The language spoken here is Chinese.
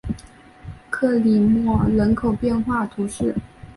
格里莫人口变化图示